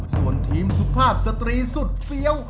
ส่วนทีมสุภาพสตรีสุดเฟี้ยว